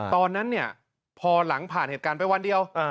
ตอนนั้นเนี่ยพอหลังผ่านเหตุการณ์ไปวันเดียว